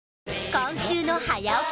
今週の早起き